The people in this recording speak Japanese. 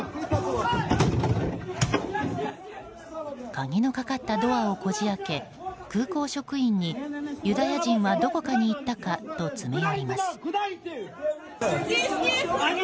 鍵のかかったドアをこじ開け空港職員にユダヤ人はどこかに行ったかと詰め寄ります。